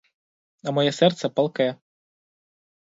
А моє серце палке.